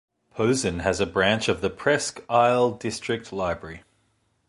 Posen has a branch of the Presque Isle District Library.